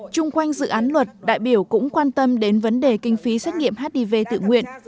trung quanh dự án luật đại biểu cũng quan tâm đến vấn đề kinh phí xét nghiệm hiv tự nguyện